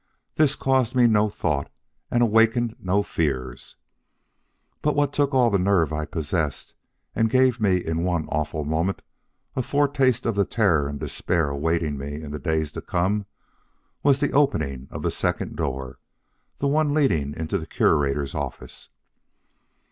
This caused me no thought and awakened no fears. But what took all the nerve I possessed, and gave me in one awful moment a foretaste of the terror and despair awaiting me in days to come, was the opening of the second door the one leading into the Curator's office.